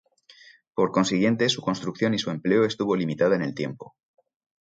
Por consiguiente, su construcción y su empleo estuvo limitada en el tiempo.